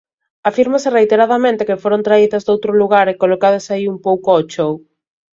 Afírmase reiteradamente que foron traídas doutro lugar e colocadas aí un pouco ao chou.